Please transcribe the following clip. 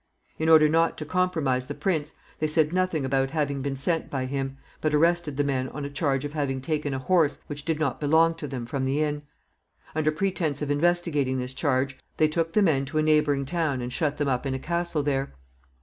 In order not to compromise the prince, they said nothing about having been sent by him, but arrested the men on a charge of having taken a horse which did not belong to them from the inn. Under pretense of investigating this charge, they took the men to a neighboring town and shut them up in a castle there.